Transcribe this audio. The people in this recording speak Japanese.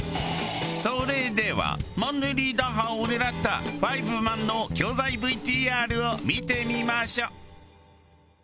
それではマンネリ打破を狙った『ファイブマン』の教材ＶＴＲを見てみましょう。